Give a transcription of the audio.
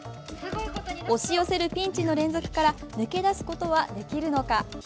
押し寄せるピンチの連続から抜け出すことはできるのか。